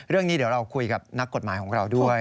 เรื่องนี้เดี๋ยวเราคุยกับนักกฎหมายของเราด้วย